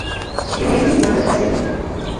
Jeho největším dílem byly fresky v knihovně.